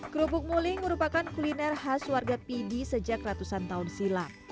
kerupuk muling merupakan kuliner khas warga pidi sejak ratusan tahun silam